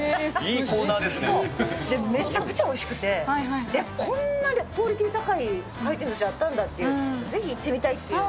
そう、めちゃくちゃおいしくて、えっ、こんなにクオリティー高い回転ずしあったんだっていう、ぜひ行ってみたいっていう。